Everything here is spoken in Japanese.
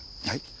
はい？